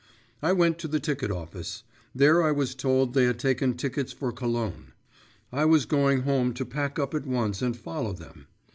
I went to the ticket office; there I was told they had taken tickets for Cologne. I was going home to pack up at once and follow them.